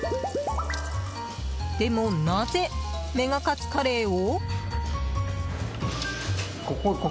でも、なぜメガカツカレーを？